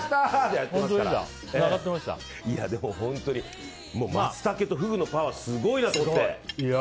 でも、マツタケとフグのパワーすごいなと思って。